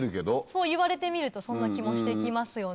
そう言われてみるとそんな気もして来ますよね。